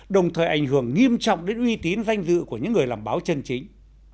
đồng thời ảnh hưởng nghiêm trọng đến uy tín danh dự của những người làm báo chân chính